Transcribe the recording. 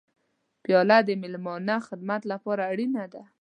پیاله د میلمانه خدمت لپاره اړینه ده.